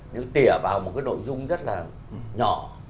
nhưng tỉa vào một cái nội dung rất là nhỏ